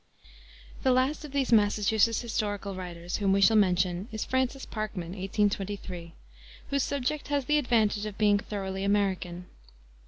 The last of these Massachusetts historical writers whom we shall mention is Francis Parkman (1823 ), whose subject has the advantage of being thoroughly American.